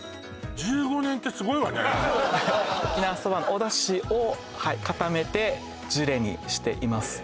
沖縄そばのおだしを固めてジュレにしています